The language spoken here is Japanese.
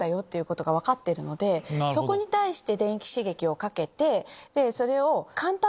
そこに対して。